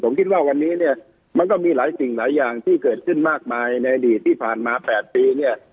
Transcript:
ผมคิดว่าวันนี้เนี่ยมันก็มีหลายสิ่งหลายอย่างที่เกิดขึ้นมากมายในอดีตที่ผ่านมา๘ปีเนี่ย